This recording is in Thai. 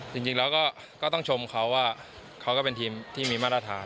จริงแล้วก็ต้องชมเขาว่าเขาก็เป็นทีมที่มีมาตรฐาน